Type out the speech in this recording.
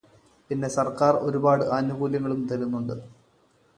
പിന്നെ സർക്കാർ ഒരുപാട് ആനുകൂല്യങ്ങളും തരുന്നുണ്ട്